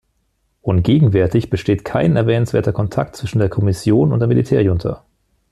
Und gegenwärtig besteht kein erwähnenswerter Kontakt zwischen der Kommission und der Militärjunta.